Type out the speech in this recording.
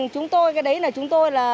chúng tôi là bố